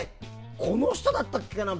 この人だったっけな？と。